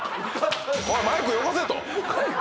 「マイクよこせ」とＭＣ